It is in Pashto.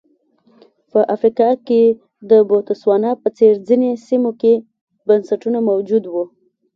په افریقا کې د بوتسوانا په څېر ځینو سیمو کې بنسټونه موجود وو.